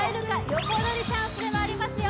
横取りチャンスでもありますよ